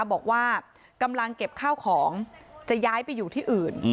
บอกว่ากำลังเก็บข้าวของจะย้ายไปอยู่ที่อื่น